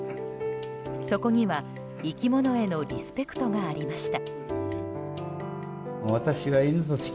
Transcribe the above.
そこには生き物へのリスペクトがありました。